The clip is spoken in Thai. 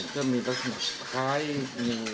ก็มีลักษณะคล้ายงู